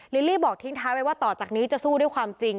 ลิลลี่บอกทิ้งท้ายไว้ว่าต่อจากนี้จะสู้ด้วยความจริง